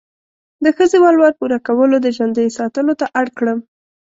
د ښځې ولور پوره کولو، د ژندې ساتلو ته اړ کړم.